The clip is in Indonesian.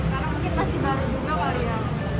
karena mungkin masih baru juga kali ya